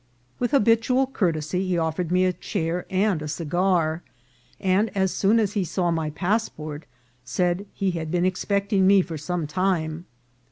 With habitual courtesy he of fered me a chair and a cigar, and as soon as he saw my passport said he had been expecting me for some time.